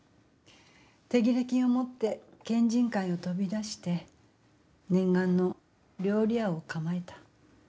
手切れ金を持って県人会を飛び出して念願の料理屋を構えた。